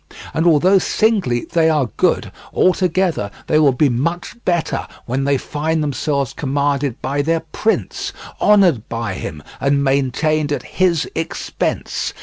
And although singly they are good, altogether they will be much better when they find themselves commanded by their prince, honoured by him, and maintained at his expense.